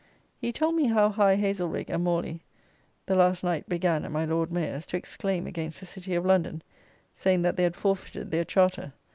He told me how high Haselrigge, and Morly, the last night began at my Lord Mayor's to exclaim against the City of London, saying that they had forfeited their charter.